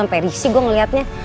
sampe risih gua ngeliatnya